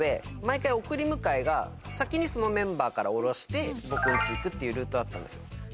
先にそのメンバーから降ろして僕ん家行くっていうルートだったんですよ。